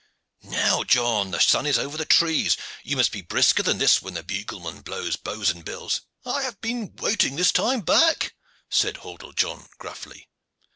Now, John, the sun is over the trees; you must be brisker than this when the bugleman blows 'Bows and Bills.'" "I have been waiting this time back," said Hordle John gruffly.